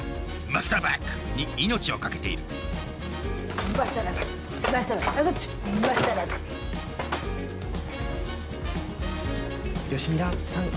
マスターバック！に命を懸けている吉ミラさん